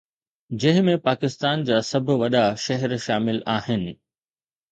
جنهن ۾ پاڪستان جا سڀ وڏا شهر شامل آهن